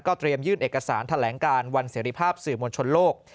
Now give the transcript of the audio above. เตรียมยื่นเอกสารแถลงการวันเสรีภาพสื่อมวลชนโลก